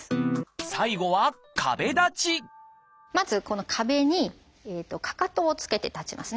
最後はまずこの壁にかかとをつけて立ちますね。